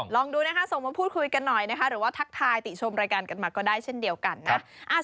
ลองดูนะคะส่งมาพูดคุยกันหน่อยนะคะหรือว่าทักทายติชมรายการกันมาก็ได้เช่นเดียวกันนะ